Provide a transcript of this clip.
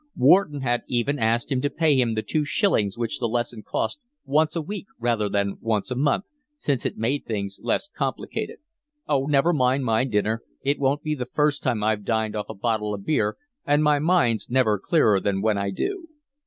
Wharton had even asked him to pay him the two shillings which the lesson cost once a week rather than once a month, since it made things less complicated. "Oh, never mind my dinner. It won't be the first time I've dined off a bottle of beer, and my mind's never clearer than when I do."